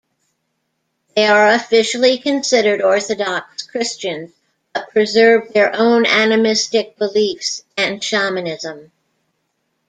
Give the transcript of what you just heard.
They are officially considered Orthodox Christians, but preserved their own animistic beliefs and shamanism.